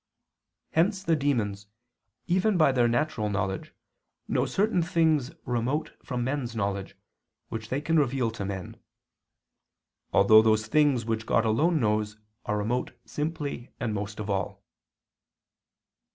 Hence the demons, even by their natural knowledge, know certain things remote from men's knowledge, which they can reveal to men: although those things which God alone knows are remote simply and most of all.